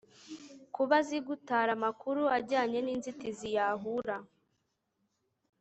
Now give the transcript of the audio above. kuba azi gutara amakuru ajyanye n'inzitizi yahura